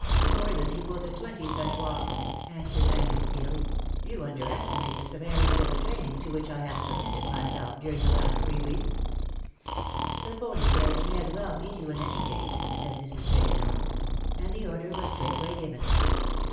" More than equal to twenty such walks !" answered Angus, gaily. ^' You under estimate the severity of the training to which I have submitted myself during the last three weeks." *^^The pony carriage may as well meet you in any case," said Mrs. TregonelL And the order was straightway given.